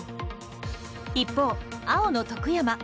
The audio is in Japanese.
一方青の徳山。